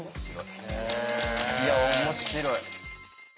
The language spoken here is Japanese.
いや面白い。